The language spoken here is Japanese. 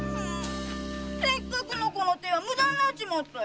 せっかくのこの鯛は無駄になったよ！